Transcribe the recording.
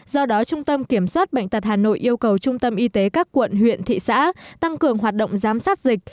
do đó trung tâm kiểm soát bệnh tật hà nội yêu cầu trung tâm y tế các quận huyện thị xã tăng cường hoạt động giám sát dịch